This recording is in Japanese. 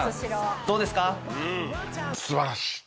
すばらしい！